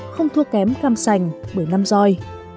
không thua kém cam sành bởi năm roi